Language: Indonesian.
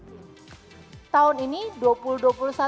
asus sudah menjadi produsen laptop gaming nomor satu di indonesia